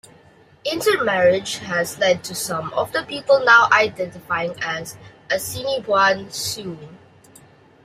Intermarriage has led to some of the people now identifying as "Assiniboine Sioux".